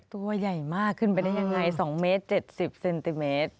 ตัวใหญ่มากขึ้นไปได้ยังไง๒เมตร๗๐เซนติเมตร